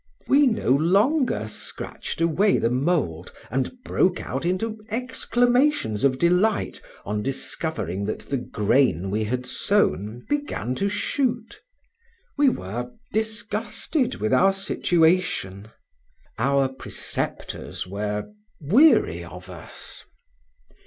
We no longer scratched away the mould, and broke out into exclamations of delight, on discovering that the grain we had sown began to shoot. We were disgusted with our situation; our preceptors were weary of us.